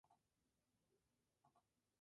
Pero no pueden transformarse en humano.